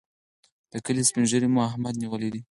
د کلي سپين ږيری مو احمد نیولی دی.